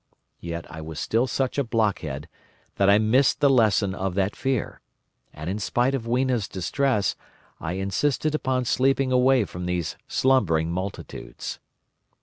Yet I was still such a blockhead that I missed the lesson of that fear, and in spite of Weena's distress, I insisted upon sleeping away from these slumbering multitudes.